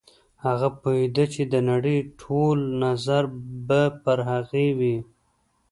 هغه پوهېده چې د نړۍ ټول نظر به پر هغې وي.